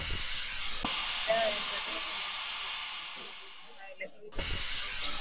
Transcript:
dawa za tiba ya mifugo kudhibiti magonjwa haya lakini tiba nyingi hutumika